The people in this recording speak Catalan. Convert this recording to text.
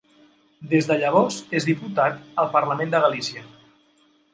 Des de llavors és diputat al Parlament de Galícia.